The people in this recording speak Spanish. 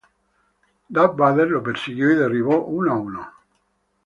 Darth Vader los persiguió y derribó uno a uno.